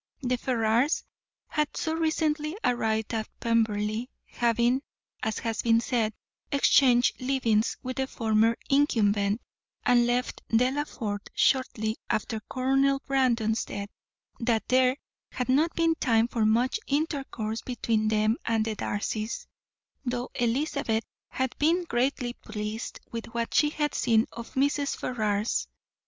The Ferrars had so recently arrived at Pemberley, having, as has been said, exchanged livings with the former incumbent, and left Delaford shortly after Colonel Brandon's death, that there had not been time for much intercourse between them and the Darcys, though Elizabeth had been greatly pleased with what she had seen of Mrs. Ferrars.